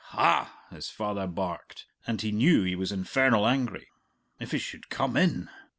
"Hah!" his father barked, and he knew he was infernal angry. If he should come in!